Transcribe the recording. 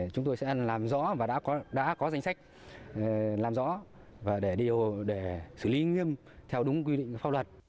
chúng tôi sẽ làm rõ và đã có danh sách làm rõ và để xử lý nghiêm theo đúng quy định của pháp luật